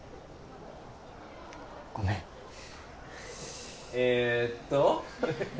ごめんえっと